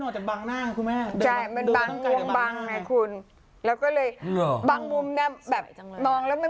ด้วยจัดบังหน้าคุณแม่ใช่มันบังบางบังมา